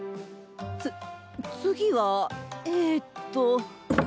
つ次はえっと。